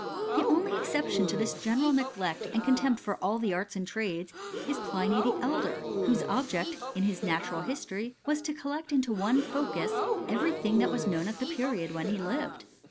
The only exception to this general n^ and contempt for all the arts and trades, is Plin; Elder, whose object, in his natural history. Collect into one focus, every thing that was knoti the period when he lived.